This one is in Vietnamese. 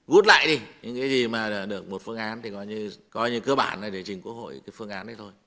gút lại đi những cái gì mà được một phương án thì coi như cơ bản là để trình quốc hội cái phương án đấy thôi